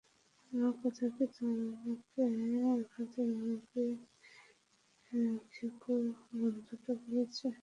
আমার কথা কি তোমাকে আমাদের মুরগি-খেকো বন্ধুটা বলেছে?